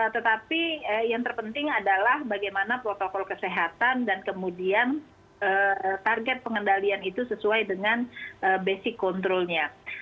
tetapi yang terpenting adalah bagaimana protokol kesehatan dan kemudian target pengendalian itu sesuai dengan basic controlnya